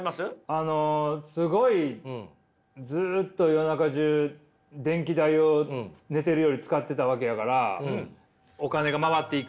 あのすごいずっと夜中じゅう電気代を寝ているより使ってたわけやからお金が回っていく。